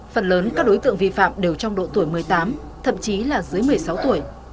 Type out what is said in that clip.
phần lớn các đối tượng vi phạm đều trong độ tuổi một mươi tám thậm chí là dưới một mươi sáu tuổi